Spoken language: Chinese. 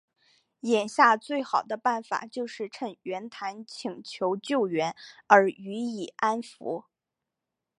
眼下最好的办法就是趁袁谭请求救援而予以安抚。